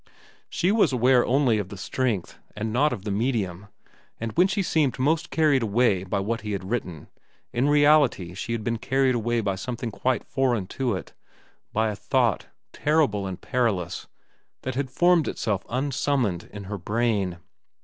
She was aware only of the strength, and not of the medium, and when she seemed most carried away by what he had written, in reality she had been carried away by something quite foreign to it—by a thought, terrible and perilous, that had formed itself unsummoned in her brain.